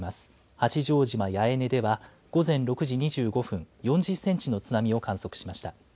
八丈島八重根では、午前６時２５分、４０センチの津波を観測しました。